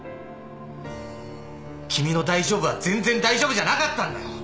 君の「大丈夫」は全然大丈夫じゃなかったんだよ。